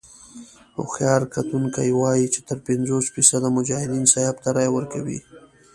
هوښیار کتونکي وايي چې تر پينځوس فيصده مجاهدين سیاف ته رايه ورکوي.